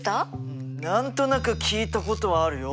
うん何となく聞いたことはあるよ。